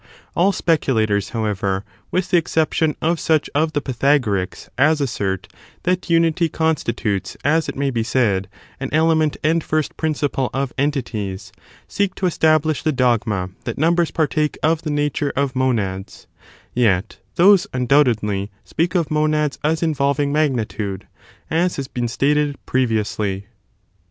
All speculators, however — with the exception ^^^^^ of such of the Pythagorics as assert that unity opinion in constitutes, as it may be said, an element and J^u^^rg^ig firat principle of entities — seek to establish the that they are dogma that numbers partake of the nature of ™°*^' monads; yet those, undoubtedly, speak of monads as involving magnitude,^ as has been stated previously.